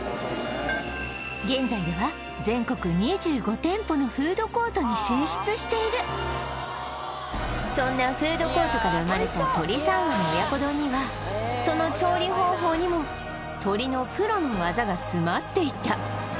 現在では全国２５店舗のフードコートに進出しているそんなフードコートから生まれた鶏三和の親子丼にはその調理方法にも鶏のプロの技が詰まっていた！